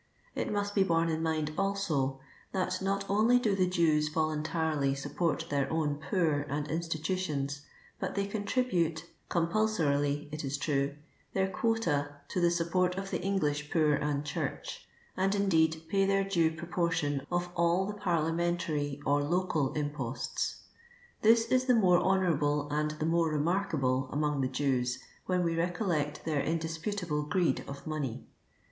It must be borne in mind also, that not only do the Jews voluntarily support their own poor and institutions, but they con tribute— c»»mpulsorily it is true — their quota to the support of the English poor and church ; and, indeed, pay their due ])roportion of all the parlia mentary or local imposts. This is the more honourable and the more remarkable among tlie Jews, when we recollect their indisputable greed of money.